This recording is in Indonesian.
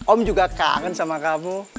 om juga kangen sama kamu